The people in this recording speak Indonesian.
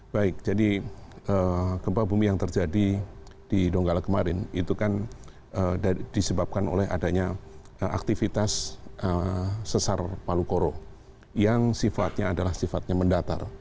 baik jadi gempa bumi yang terjadi di donggala kemarin itu kan disebabkan oleh adanya aktivitas sesar palu koro yang sifatnya adalah sifatnya mendatar